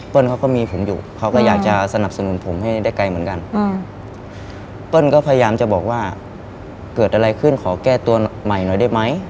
เปิ้ลก็พยายามจะบอกว่าเกิดอะไรขึ้นขอแก้ตัวใหม่หน่อยได้ไหม